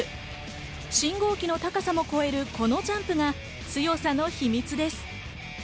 信号機の高さも超える、このジャンプが強さの秘密です。